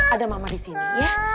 ada mama di sini ya